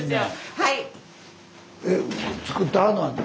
はい！